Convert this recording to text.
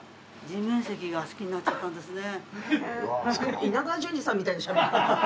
「好きになっちゃったんですね」。